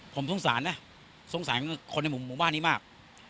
ผมสงสารนะสงสารคนในหมู่บ้านนี้มาก